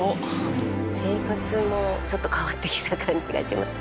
生活もちょっと変わってきた感じがします。